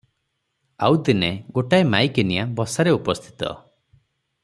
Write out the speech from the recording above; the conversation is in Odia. ଆଉ ଦିନେ ଗୋଟାଏ ମାଇକିନିଆ ବସାରେ ଉପସ୍ଥିତ ।